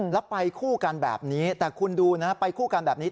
แล้วไปคู่กันแบบนี้แต่คุณดูนะไปคู่กันแบบนี้